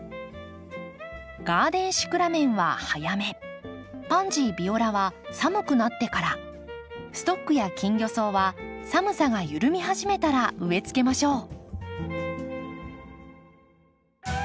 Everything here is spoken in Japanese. ガーデンシクラメンは早めパンジービオラは寒くなってからストックやキンギョソウは寒さが緩み始めたら植えつけましょう。